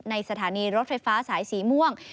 สถานีรถไฟฟ้าสายสีม่วง